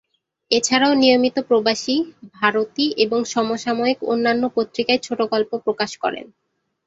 এছাড়াও নিয়মিত প্রবাসী, ভারতী এবং সমসাময়িক অন্যান্য পত্রিকায় ছোটগল্প প্রকাশ করেন।